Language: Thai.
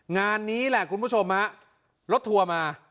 งานนี้แหละคุณผู้ชมฮะรถทัวร์มา